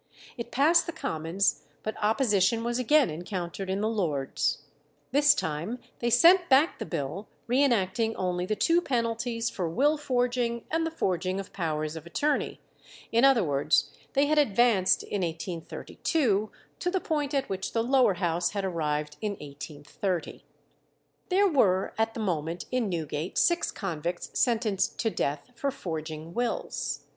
It passed the Commons, but opposition was again encountered in the Lords. This time they sent back the bill, re enacting only the two penalties for will forging and the forging of powers of attorney; in other words, they had advanced in 1832 to the point at which the Lower House had arrived in 1830. There were at the moment in Newgate six convicts sentenced to death for forging wills.